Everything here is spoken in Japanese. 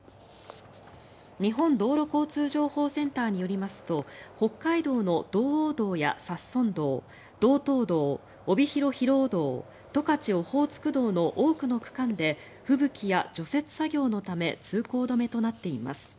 日本道路交通情報センターによりますと北海道の道央道や札樽道道東道、帯広広尾道十勝オホーツク道の多くの区間で吹雪や除雪作業のため通行止めとなっています。